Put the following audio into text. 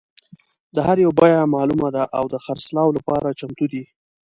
د هر یو بیه معلومه ده او د خرڅلاو لپاره چمتو دي.